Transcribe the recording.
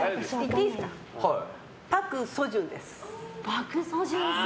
パク・ソジュンです。